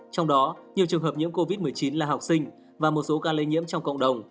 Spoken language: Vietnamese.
trong đó nhiều trường hợp nhiễm covid một mươi chín là học sinh và một số ca lây nhiễm trong cộng đồng